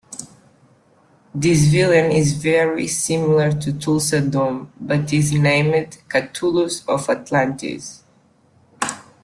This villain is very similar to Thulsa Doom, but is named "Kathulos of Atlantis".